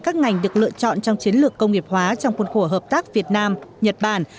các ngành được lựa chọn trong chiến lược công nghiệp hóa trong khuôn khổ hợp tác việt nam nhật bản